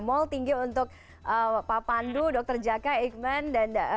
mall tinggi untuk pak pandu dr jaka iqman dan dr jaka